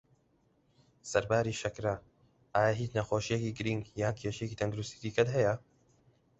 سەرباری شەکره، ئایا هیچ نەخۆشیەکی گرنگ یان کێشەی تەندروستی دیکەت هەیە؟